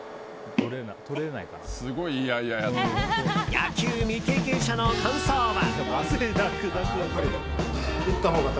野球未経験者の感想は。